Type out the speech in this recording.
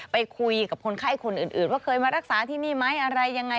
ไปคุยกับคนไข้คนอื่นว่าเคยมารักษาที่นี่ไหมอะไรยังไง